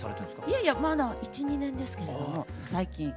いやいやまだ１２年ですけれども最近。